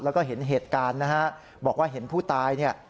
แล้วก็เห็นเหตุการณ์บอกว่าเห็นผู้ตาย